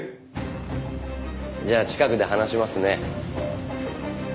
じゃあ近くで話しますね。